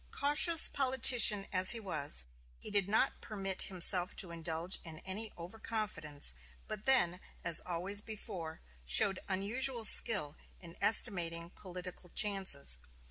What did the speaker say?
Cautious politician as he was, he did not permit himself to indulge in any over confidence, but then, as always before, showed unusual skill in estimating political chances.